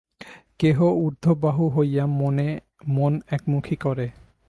কেহ ঊর্ধ্ববাহু হইয়া মন একমুখী করে।